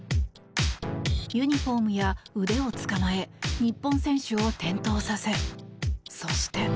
ユニホームや腕を捕まえ日本選手を転倒させそして。